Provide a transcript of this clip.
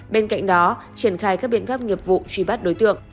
bên cạnh đó triển khai các biện pháp nghiệp vụ truy bắt đối tượng